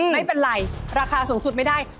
ไม่เป็นไรราคาสูงสุดไม่ได้